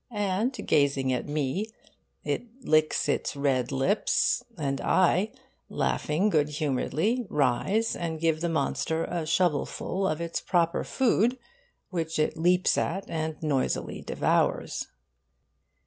'and, gazing at me, it licks its red lips; and I, laughing good humouredly, rise and give the monster a shovelful of its proper food, which it leaps at and noisily devours.